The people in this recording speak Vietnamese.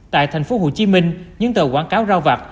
tại thành phố hồ chí minh những tờ quảng cáo rao vặt